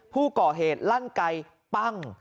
ผู้ก่อเหตุลั่นไกลปั้ง